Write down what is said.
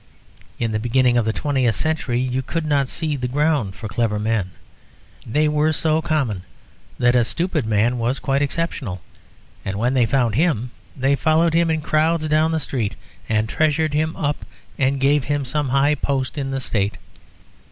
In the beginning of the twentieth century you could not see the ground for clever men. They were so common that a stupid man was quite exceptional, and when they found him, they followed him in crowds down the street and treasured him up and gave him some high post in the State.